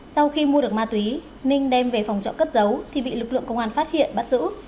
sau khi mua được ma túy ninh đem về phòng trọ cất giấu thì bị lực lượng công an phát hiện bắt giữ